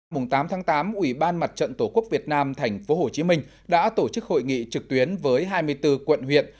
mùng tám tháng tám ủy ban mặt trận tổ quốc việt nam tp hcm đã tổ chức hội nghị trực tuyến với hai mươi bốn quận huyện